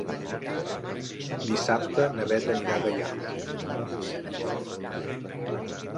Dissabte na Beth anirà a Gaià.